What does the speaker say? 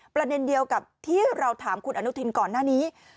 ประเด็นเดียวกับที่เราถามคุณอนุทินก่อนหน้านี้